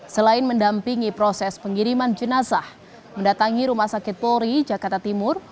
selain mendampingi proses pengiriman jenazah mendatangi rumah sakit polri jakarta timur